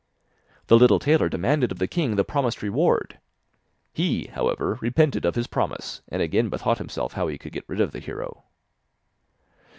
The little tailor demanded of the king the promised reward; he, however, repented of his promise, and again bethought himself how he could get rid of the hero.